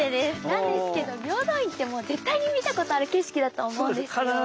なんですけど平等院って絶対に見たことある景色だと思うんですよ。